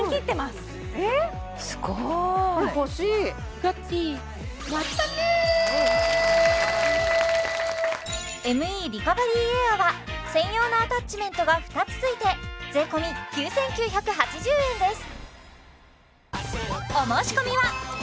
すごーいＭＥリカバリーエアーは専用のアタッチメントが２つついて税込９９８０円です